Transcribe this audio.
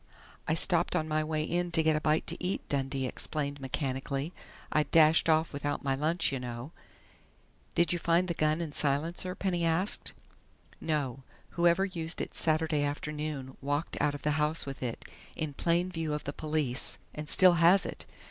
"I stopped on my way in to get a bite to eat," Dundee explained mechanically. "I'd dashed off without my lunch, you know." "Did you find the gun and silencer?" Penny asked. "No. Whoever used it Saturday afternoon walked out of the house with it, in plain view of the police, and still has it....